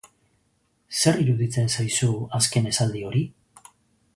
Zer iruditzen zaizu azken esaldi hori?